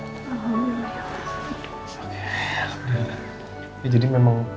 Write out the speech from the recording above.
nanti juga dia akan menutup senangan sendirinya pak